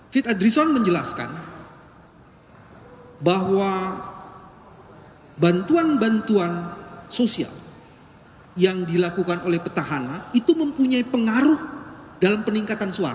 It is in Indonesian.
fit adrison menjelaskan bahwa bantuan bantuan sosial yang dilakukan oleh petahana itu mempunyai pengaruh dalam peningkatan suara